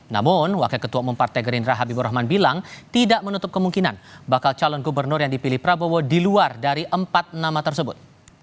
namun wakil ketua umum partai gerindra habibur rahman bilang tidak menutup kemungkinan bakal calon gubernur yang dipilih prabowo di luar dari empat nama tersebut